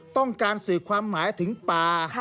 ต้องการสื่อความหมายถึงป่า